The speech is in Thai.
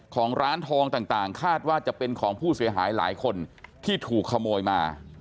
ของร้านทองต่างคาดว่าจะเป็นของผู้เสียหายหลายคนที่ถูกขโมยมา